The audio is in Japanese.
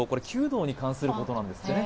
弓道に関することなんですってね